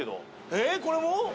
えっこれも？